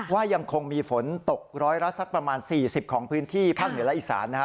ว่ายังคงมีฝนตกร้อยละสักประมาณ๔๐ของพื้นที่ภาคเหนือและอีสานนะฮะ